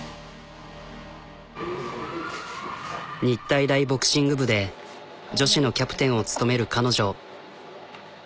日体大ボクシング部で女子のキャプテンを務める彼女。